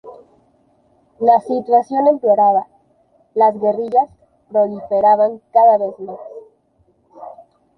La situación empeoraba, las guerrillas proliferaban cada vez más.